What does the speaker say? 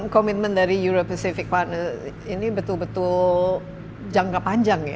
komitmen dari europacific partners ini betul betul jangka panjang ya